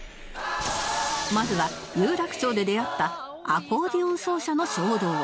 まずは有楽町で出会ったアコーディオン奏者の衝動